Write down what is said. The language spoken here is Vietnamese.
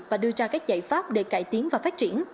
và đưa ra các giải pháp để cải tiến và phát triển